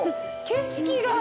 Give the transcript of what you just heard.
景色が。